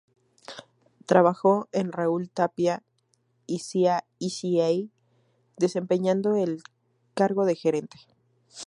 Trabajó en Raúl Tapia y Cia S. A. desempeñando el cargo de Gerente.